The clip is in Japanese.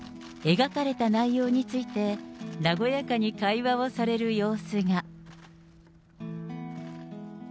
描かれた内容について和やかに会話をされる様子が。